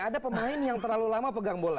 ada pemain yang terlalu lama pegang bola